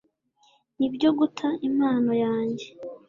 nibyo guta impano yanjye